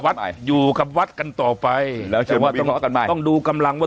วัดอยู่กับวัดกันต่อไปแล้วเชื่อว่าต้องต้องดูกำลังว่า